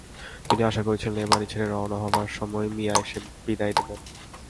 তিনি আশা করেছিলেন, এ-বাড়ি ছেড়ে রওনা হবার সময় মিয়া এসে বিদায় দেবেন।